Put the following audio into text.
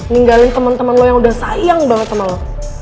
ninggalin temen temen lo yang udah sayang banget sama lo